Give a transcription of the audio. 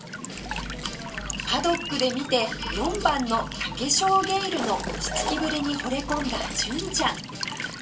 パドックで見て４番のタケショウゲイルの落ち着きぶりに惚れ込んだ純ちゃん